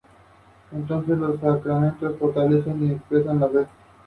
La línea llamada Mother of Life, son diseños de collares elaborados con piedras naturales.